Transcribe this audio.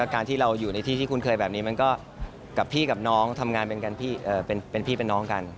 การที่เราอยู่ในที่ที่คุ้นเคยแบบนี้มันก็กับพี่กับน้องทำงานเป็นพี่เป็นน้องกัน